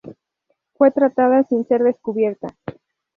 Fue tratada sin ser descubierta.